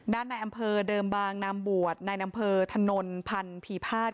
ด้านนายอำเภอเดิมบางนามบวชนายอำเภอถนนพันธุ์ผีพาส